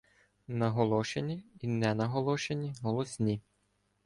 Наголошені і ненаголошені голосні